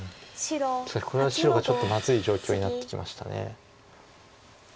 しかしこれは白がちょっとまずい状況になってきました。